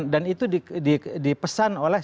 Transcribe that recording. dan itu dipesan oleh